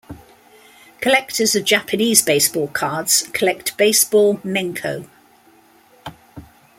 Collectors of Japanese baseball cards collect baseball menko.